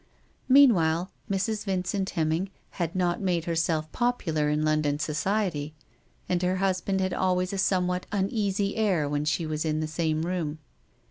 Meanwhile, Mrs. Vincent Hemming had not made herself popular in London society, and her husband had always a some what uneasy air when she was in the same room.